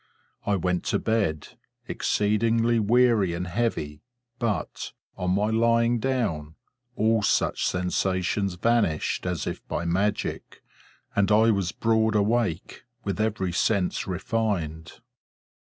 I went to bed, exceedingly weary and heavy; but, on my lying down, all such sensations vanished, as if by magic, and I was broad awake, with every sense refined.